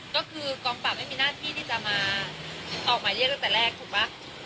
ก็คือกองปราบไม่มีหน้าที่ที่จะมาออกหมายเรียกตั้งแต่แรกถูกป่ะ